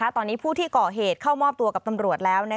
ตอนนี้ผู้ที่ก่อเหตุเข้ามอบตัวกับตำรวจแล้ว